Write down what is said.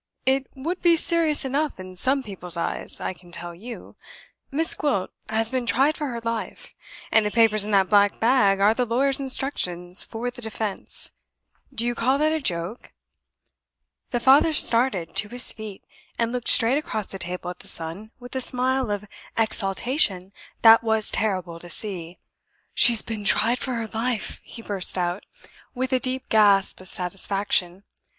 "It would be serious enough in some people's eyes, I can tell you. Miss Gwilt has been tried for her life; and the papers in that black bag are the lawyer's instructions for the Defense. Do you call that a joke?" The father started to his feet, and looked straight across the table at the son with a smile of exultation that was terrible to see. "She's been tried for her life!" he burst out, with a deep gasp of satisfaction.